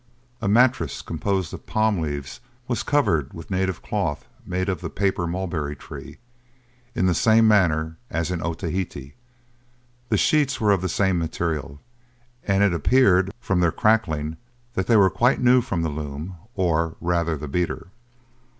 A mattress composed of palm leaves was covered with native cloth made of the paper mulberry tree, in the same manner as in Otaheite; the sheets were of the same material; and it appeared, from their crackling, that they were quite new from the loom, or rather the beater.